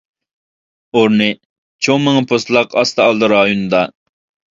ئورنى: چوڭ مېڭە پوستلاق ئاستى ئالدى رايونىدا.